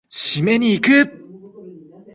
締めに行く！